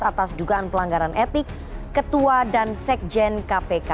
atas dugaan pelanggaran etik ketua dan sekjen kpk